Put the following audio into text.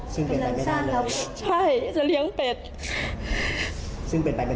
จริงนี้เรามาแจ้งไฟเม็ด